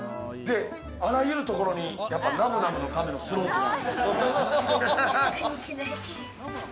あらゆるところにナムナムのためのスロープが。